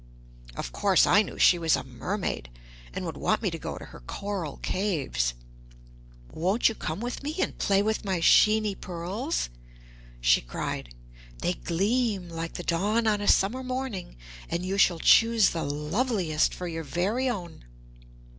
Of course I knew she was a mermaid, and would want me to go to her coral caves. "Won't you come with me and play with my sheeny pearls?" she cried. "They gleam like the dawn on a summer morning, and you shall choose the loveliest for your very own."